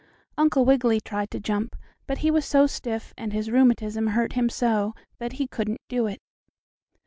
Uncle Wiggily tried to jump, but he was so stiff and his rheumatism hurt him so that he couldn't do it.